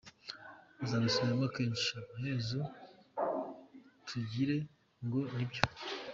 Bazabisubiramo kenshi amaherezo tugire ngo ni byo.